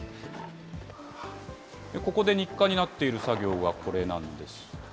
ここで日課になっている作業がこれなんです。